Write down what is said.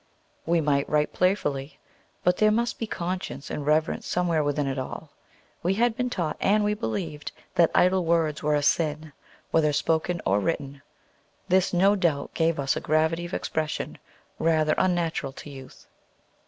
We might write playfully, but there must be conscience and reverence somewhere within it all. We had been taught, and we believed, that idle words were a sin, whether spoken or written. This, no doubt, gave us a gravity of expression rather unnatural to youth.